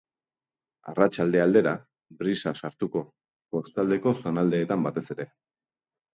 Arratsalde aldera, brisa sartuko, kostaldeko zonaldeetan batez ere.